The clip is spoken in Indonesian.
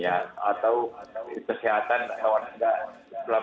ya atau kesehatan atau tidak